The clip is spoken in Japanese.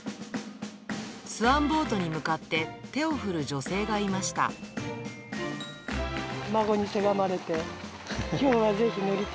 スワンボートに向かって手を振る女性がいました。